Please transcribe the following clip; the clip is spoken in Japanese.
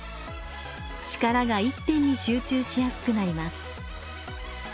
力が一点に集中しやすくなります。